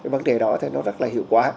vấn đề đó rất là hiệu quả